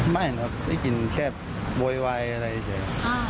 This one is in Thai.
ไม่นานั้นครับได้ยินแค่โบ๋ยไวอัลไรเฉย